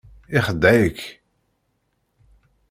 Ixdeε-ik.